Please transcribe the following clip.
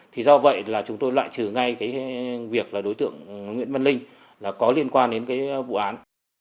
thì do vậy là chúng tôi lại trừ ngay cái việc là đối tượng nguyễn văn linh là có liên quan đến cái vụ án